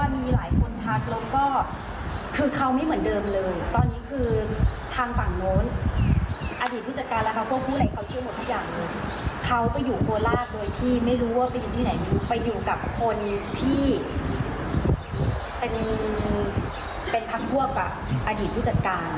พี่ไม่รู้ว่าไปอยู่ที่ไหนไปอยู่กับคนที่เป็นพักพวกอ่ะอดีตผู้จัดการ